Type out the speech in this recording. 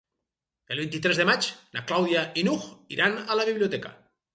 El vint-i-tres de maig na Clàudia i n'Hug iran a la biblioteca.